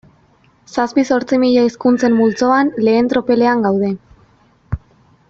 Zazpi-zortzi mila hizkuntzen multzoan lehen tropelean gaude.